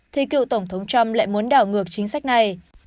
thì cựu tổng thống trump lại muốn đảo ngược chính sách này